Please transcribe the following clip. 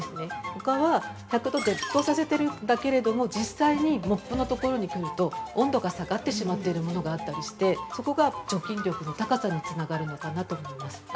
ほかは、１００度で沸騰させてるんだけれども実際に、モップのところに来ると温度が下がってしまっているものがあったりしてそこが、除菌力の高さにつながるのかなと思います。